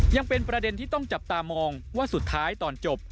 ยังเป็นประเด็นที่ต้องจับตามองว่าสุดท้ายตอนจบ